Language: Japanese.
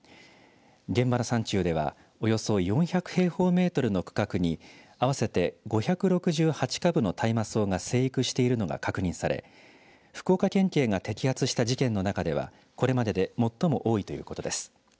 現場の山中では、およそ４００平方メートルの区画に合わせて５６８株の大麻草が生育しているのが確認され福岡県警が摘発した事件の中ではこれまでで最も多いということです。